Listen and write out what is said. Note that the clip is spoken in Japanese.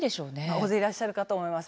大勢いらっしゃると思います。